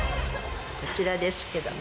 こちらですけど。